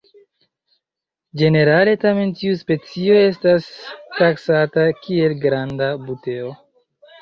Ĝenerale tamen tiu specio estas taksata kiel granda "Buteo".